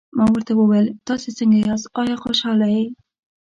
ما ورته وویل: تاسي څنګه یاست، آیا خوشحاله یې؟